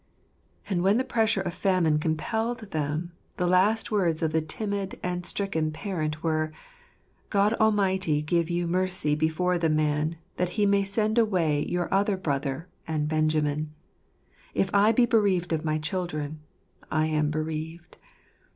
And when the pressure of famine compelled them, the last words of the timid and stricken parent were, "God Almighty give you mercy before the man, that he may send away your other brother, and Benjamin. If I be bereaved of my children, I am bereaved."